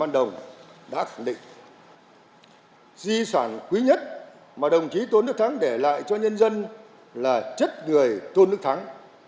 di sản quý nhất mà đồng chí tôn đức thắng để lại cho nhân dân là chất người tôn đức thắng